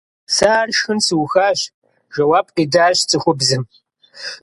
Se ar şşxın sıuxaş, – jjeuap khitaş ts'ıxubzım.